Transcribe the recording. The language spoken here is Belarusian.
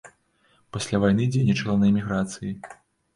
Пасля вайны дзейнічала на эміграцыі.